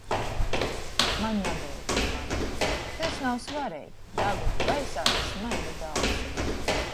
Maņ nabeja tik labi... Tys nav svareigi! Dagunu gaisā i smaidu da ausim...